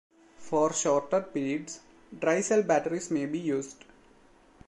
For shorter periods dry cell batteries may be used.